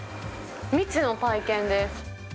未知の体験です。